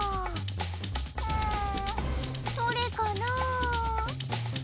うん。どれかな？